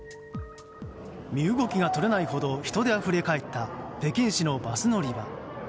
身動きが取れないほど人であふれ返った北京市のバス乗り場。